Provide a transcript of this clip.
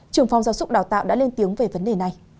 trường phòng giáo súc đào tạo đã lên tiếng về vấn đề này